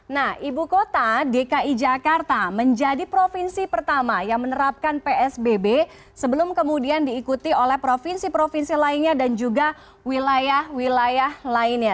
nah ibu kota dki jakarta menjadi provinsi pertama yang menerapkan psbb sebelum kemudian diikuti oleh provinsi provinsi lainnya dan juga wilayah wilayah lainnya